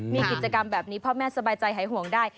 มีกิจกรรมแบบนี้พ่อแม่สบายใจหายห่วงได้